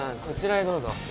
こちらへどうぞ。